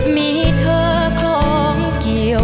มีเธอคล้องเกี่ยว